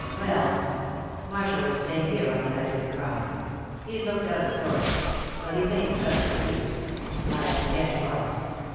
"Well, Marshall was staying here on the night of the crime. He looked out of sorts; but he made some excuse I forget what.